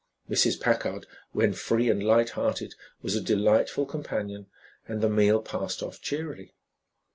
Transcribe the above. Mrs. Packard, when free and light hearted, was a delightful companion and the meal passed off cheerily.